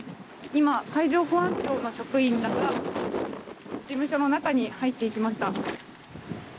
今、海上保安庁の職員らが事務所の中に入っていきました。